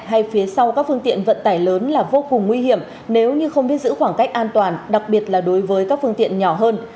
hay phía sau các phương tiện vận tải lớn là vô cùng nguy hiểm nếu như không biết giữ khoảng cách an toàn đặc biệt là đối với các phương tiện nhỏ hơn